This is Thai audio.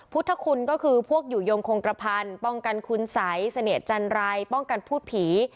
พุทธคุณก็คือพวกอยู่ยงคงกระพันธ์ป้องกันคุณสัยเสนียดจันไรป้องกันพูดผี